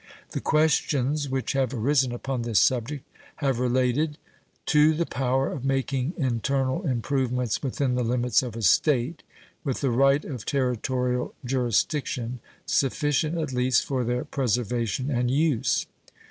The questions which have arisen upon this subject have related To the power of making internal improvements within the limits of a State, with the right of territorial jurisdiction, sufficient at least for their preservation and use.